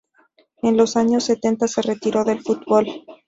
En los años setenta se retiró del futbol.